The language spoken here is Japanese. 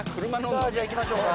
さあ行きましょうか。